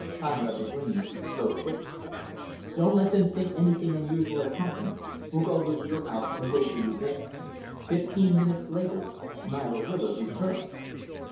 Conrad Lagrange spoke quickly; "Don't let them think anything unusual has happened. We'll go over to your house and wait for you there." Fifteen minutes later, Myra Willard returned.